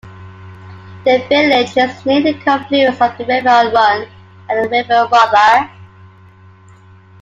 The village is near the confluence of the River Arun and the River Rother.